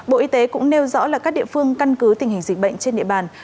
bộ y tế cũng nêu rõ là các địa phương căn cứ tình hình dịch bệnh trên địa bàn